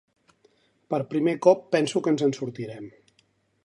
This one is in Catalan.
Per primer cop penso que ens en sortirem.